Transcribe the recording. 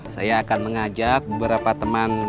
saya akan mengajak beberapa teman